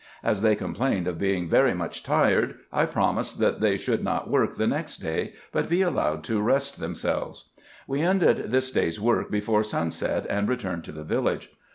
As they complained of being very much tired, I pro mised, that they should not work the next day, but be allowed to rest themselves. We ended this day's work before sunset, and re turned to the village.